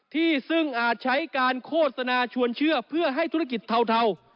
ที่ซึ่งอาจใช้การโฆษณาชวนเชื่อเพื่อให้ธุรกิจเทา